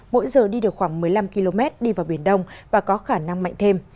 mỗi giờ đi được khoảng một mươi năm km đi vào biển đông và có khả năng mạnh thêm